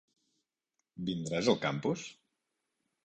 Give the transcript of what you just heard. Vindràs al campus?